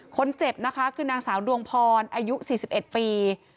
คนเจ็บนะคะคือนางสาวดวงพรอายุ๔๑ปี